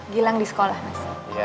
gilang di sekolah mas